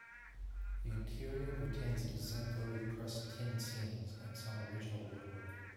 The interior retains exemplary pressed tin ceilings and some original woodwork.